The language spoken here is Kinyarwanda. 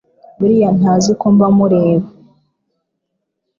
Buriya ntazi ko mba mureba